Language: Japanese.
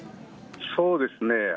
そうですね。